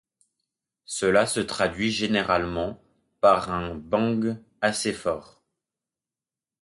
Cela se traduit généralement par un bang assez fort.